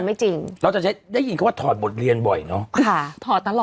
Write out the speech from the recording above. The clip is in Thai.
ไม่จริงเราจะได้ยินเขาว่าถอดบทเรียนบ่อยเนอะค่ะถอดตลอด